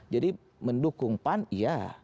jadi mendukung pan iya